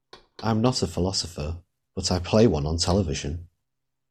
I'm not a philosopher, but I play one on television.